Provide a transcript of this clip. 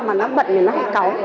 mà nó bận thì nó hãy cấu